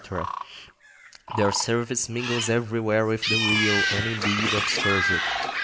Their service mingles everywhere with the real, and, indeed, obscures it.